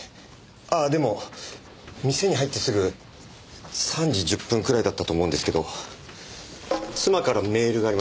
あっでも店に入ってすぐ３時１０分くらいだったと思うんですけど妻からメールがありました。